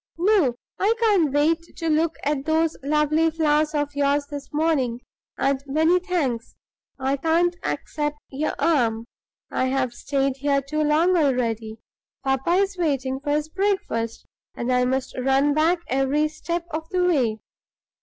No; I can't wait to look at those lovely flowers of yours this morning, and, many thanks, I can't accept your arm. I have stayed here too long already. Papa is waiting for his breakfast; and I must run back every step of the way.